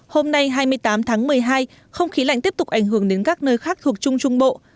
hôm nay hai mươi tám tháng một mươi hai không khí lạnh tiếp tục ảnh hưởng đến các nơi khác thuộc trung trung bộ